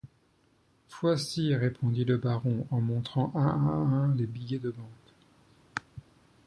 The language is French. Foissi, répondit le baron en montrant un à un les billets de banque.